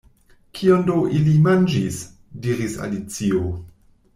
"Kion do ili manĝis?" diris Alicio.